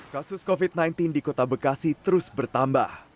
kasus covid sembilan belas di kota bekasi terus bertambah